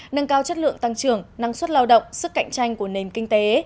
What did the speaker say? nâng cao chất lượng tăng trưởng năng suất lao động sức cạnh tranh của nền kinh tế